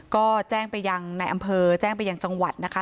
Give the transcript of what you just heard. ก็แจ้งไปยังในอำเภอแจ้งไปยังจังหวัดนะคะ